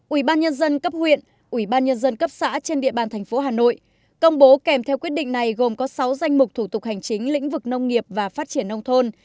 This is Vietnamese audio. ủy ban nhân dân cấp huyện ủy ban nhân dân cấp xã trên địa bàn thành phố hà nội công bố kèm theo quyết định này gồm có sáu danh mục thủ tục hành chính lĩnh vực nông nghiệp và phát triển nông thôn